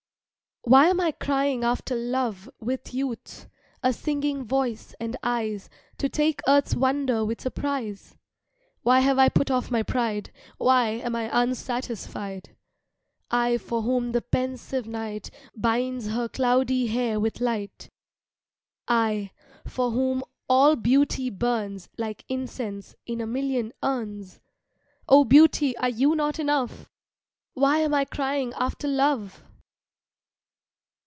Why am I crying after love With youth, a singing voice and eyes To take earth's wonder with surprise? Why have I put off my pride, Why am I unsatisfied, I for whom the pensive night Binds her cloudy hair with light, I for whom all beauty burns Like incense in a million urns? Oh, beauty, are you not enough? Why am I crying after love?